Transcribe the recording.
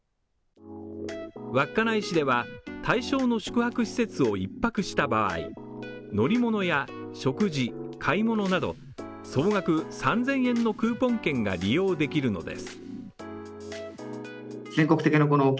稚内市では対象の宿泊施設を一泊した場合乗り物や食事、買い物など総額３０００円のクーポン券が利用できるのです。